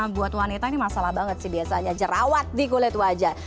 buat wanita ini masalah banget sih biasanya jerawat di kulit wajah